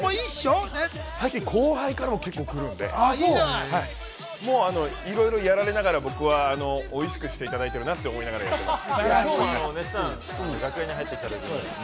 最近、後輩からも来るので、いろいろやられながら、僕はおいしくしていただいているなと思いながらやってます。